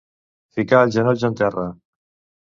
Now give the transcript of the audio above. Ficar els genolls en terra.